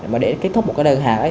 mà để kết thúc một cái đơn hàng